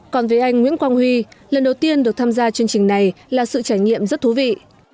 còn với anh nguyễn quang huy lần đầu tiên được tham gia chương trình này là sự trải nghiệm rất thú vị